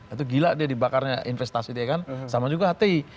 itu gila dia dibakarnya investasi dia kan sama juga hti